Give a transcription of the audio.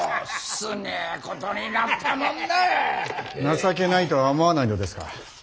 情けないとは思わないのですか。